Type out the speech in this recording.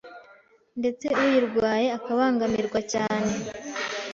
ndetse uyirwaye akabangamirwa cyane